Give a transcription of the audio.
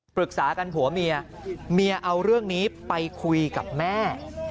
ปรึกษากันผัวเมียเมียเอาเรื่องนี้ไปคุยกับแม่